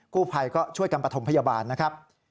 กู้ภัยก็ช่วยกันประถมพยาบาลนะครับ